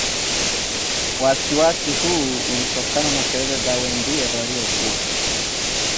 Wasiwasi huu ulitokana na kelele za wenziye waliokuwa